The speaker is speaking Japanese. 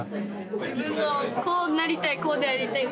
自分のこうなりたいこうでありたい。